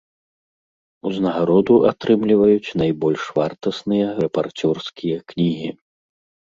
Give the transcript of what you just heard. Узнагароду атрымліваюць найбольш вартасныя рэпарцёрскія кнігі.